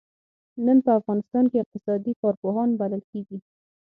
نن په افغانستان کې اقتصادي کارپوهان بلل کېږي.